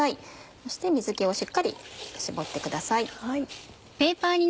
そして水気をしっかり絞ってください。